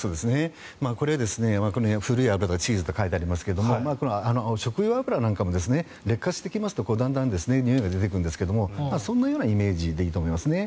これは古い油やチーズと書いてありますが食用油なんかも劣化してきますとだんだんにおいが出てくるんですがそんなようなイメージでいいと思いますね。